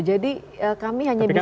jadi kami hanya bisa memberikan